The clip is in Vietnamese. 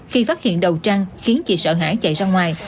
khi phát hiện đầu trăng khiến chị sợ hãi chạy ra ngoài